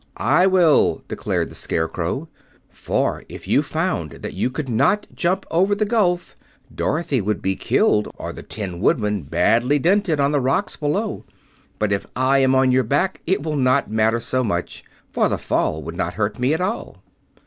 "I will," declared the Scarecrow, "for, if you found that you could not jump over the gulf, Dorothy would be killed, or the Tin Woodman badly dented on the rocks below. But if I am on your back it will not matter so much, for the fall would not hurt me at all."